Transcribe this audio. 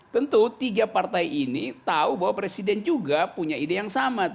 tentu tiga partai ini tahu bahwa presiden juga punya ide yang sama